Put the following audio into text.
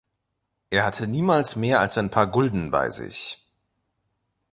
Er hatte niemals mehr als ein paar Gulden bei sich.